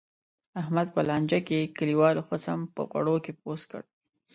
احمد په لانجه کې، کلیوالو ښه سم په غوړو کې پوست کړ.